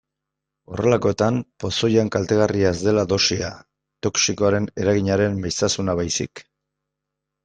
Horrelakoetan pozoian kaltegarria ez dela dosia, toxikoaren eraginaren maiztasuna baizik.